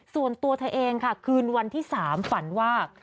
ส่วนตัวเธอเองค่ะคืนวันที่๓ฝันว่า